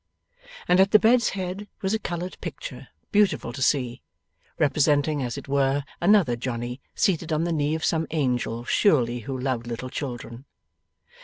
And at the bed's head was a coloured picture beautiful to see, representing as it were another Johnny seated on the knee of some Angel surely who loved little children.